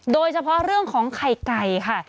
โดยเฉพาะเรื่องของไข่ไก่ค่ะ